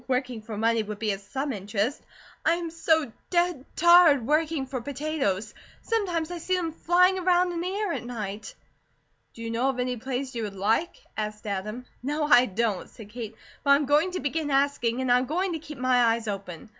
Working for money would be of some interest. I am so dead tired working for potatoes. Sometimes I see them flying around in the air at night." "Do you know of any place you would like?" asked Adam. "No, I don't," said Kate, "but I am going to begin asking and I'm going to keep my eyes open.